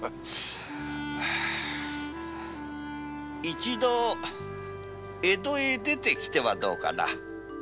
一度江戸へ来てはどうかな？